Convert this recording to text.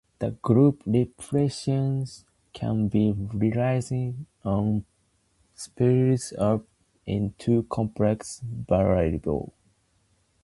The group representations can be realized on spaces of polynomials in two complex variables.